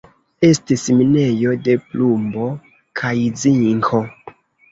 Estis minejo de plumbo kaj zinko.